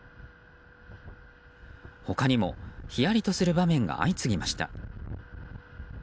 他にもヒヤリとする場面が相次ぎました。